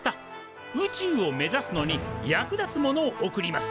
宇宙を目指すのに役立つものを贈ります。